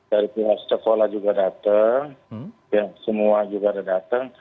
dari pihak sekolah juga datang semua juga datang